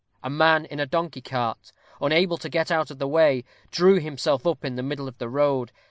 A man in a donkey cart, unable to get out of the way, drew himself up in the middle of the road.